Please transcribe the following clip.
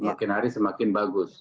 semakin hari semakin bagus